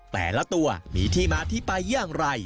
แต่ละตัวมีที่มาที่ไปอย่างไร